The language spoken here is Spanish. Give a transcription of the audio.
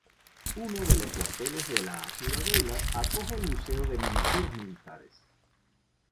Uno de los cuarteles de la Ciudadela acoge el Museo de Miniaturas Militares.